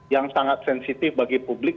yang sangat sensitif bagi publik